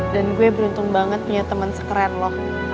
dan gue beruntung banget punya temen sekeren lo